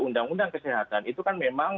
undang undang kesehatan itu kan memang